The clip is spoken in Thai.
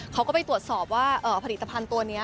เขาก็ไปตรวจสอบว่าผลิตภัณฑ์ตัวนี้